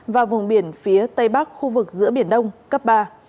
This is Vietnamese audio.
và vùng biển phía tây bắc khu vực giữa biển đông cấp ba